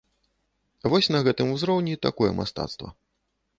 Вось на гэтым узроўні такое мастацтва.